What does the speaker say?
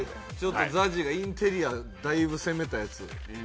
ＺＡＺＹがインテリアを、だいぶ攻めたやつを。